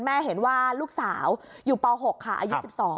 เห็นว่าลูกสาวอยู่ป๖ค่ะอายุ๑๒